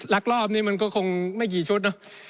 รอบนี้มันก็คงไม่กี่ชุดเนอะ